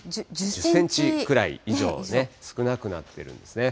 １０センチ以上少なくなっているんですね。